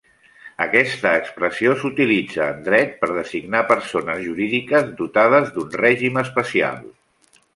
Aquesta expressió s'utilitza en dret per designar persones jurídiques dotades d'un règim especial.